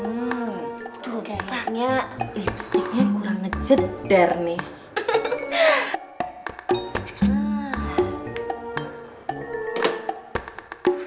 hmm tuh kayaknya lipsticknya kurang ngejedar nih